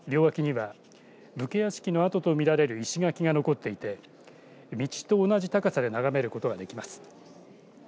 両脇には武家屋敷の跡と見られる石垣が残っていて道と同じ高さで並べることができます。